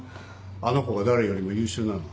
あの子が誰よりも優秀なの。